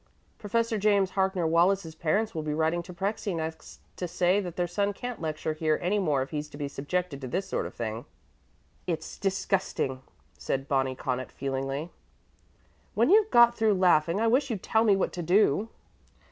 "Professor James Harkner Wallis's parents will be writing to Prexy next to say that their son can't lecture here any more if he is to be subjected to this sort of thing." "It's disgusting!" said Bonnie Connaught, feelingly. "When you've got through laughing, I wish you'd tell me what to do."